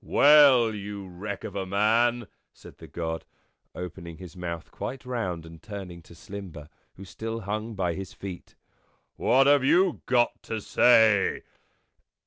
" Well, you wreck of a man," said the God, opening his mouth quite round, and turning to Slimber, who still hung by his feet, "what have you got to say?"